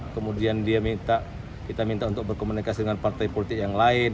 kemudian dia minta kita minta untuk berkomunikasi dengan partai politik yang lain